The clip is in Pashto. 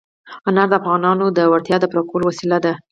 انار د افغانانو د اړتیاوو د پوره کولو وسیله ده.